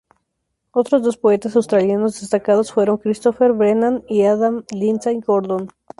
Otros dos poetas australianos destacados fueron Christopher Brennan y Adam Lindsay Gordon.